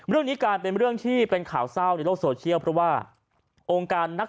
เรื่องนี้กลายเป็นเรื่องที่เป็นข่าวเศร้าในโลกโซเชียลเพราะว่าองค์การนัก